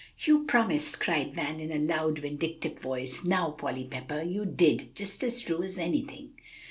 "You promised," cried Van in a loud, vindictive voice. "Now, Polly Pepper, you did, just as true as anything."